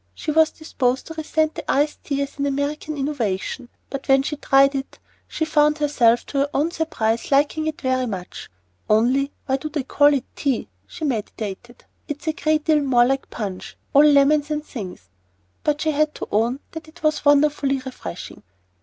She was disposed to resent the iced tea as an American innovation, but when she tried it she found herself, to her own surprise, liking it very much. "Only, why do they call it tea," she meditated. "It's a great deal more like punch all lemon and things." But she had to own that it was wonderfully refreshing.